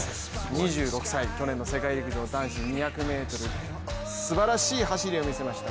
２６歳、去年の世界陸上男子２００ｍすばらしい走りを見せました。